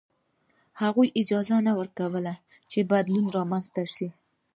هغوی اجازه نه ورکوله چې بدلون رامنځته شي.